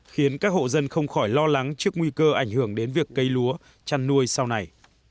khiến các hộ dân không khỏi lo lắng trước nguy cơ ảnh hưởng đến việc cây lúa chăn nuôi sau này